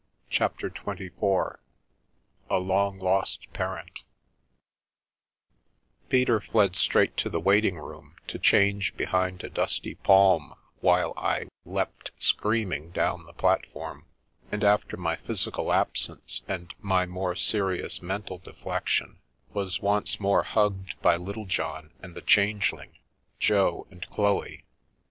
CHAPTER XXIV A LONG LOST PARENT PETER fled straight to the waiting room to change behind a dusty palm while I "leapt screaming" down the platform, and, after my physical absence and my more serious mental deflection, was once more hugged by Littlejohn and the Changeling, Jo and Chloe.